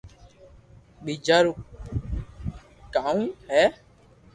ٻيجا رو ڪاونو ھي